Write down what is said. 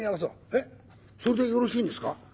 「えっそれでよろしいんですか？」。